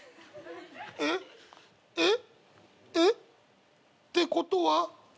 えっ？えっ？えっ？ってことは。